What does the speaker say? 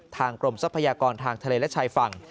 กรมทรัพยากรทางทะเลและชายฝั่ง